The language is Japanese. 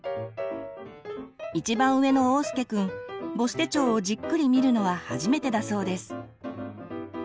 一番上のおうすけくん母子手帳をじっくり見るのは初めてだそうです。